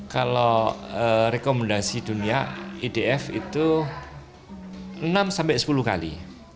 kalau rekomendasi dunia idf itu enam sampai sepuluh kali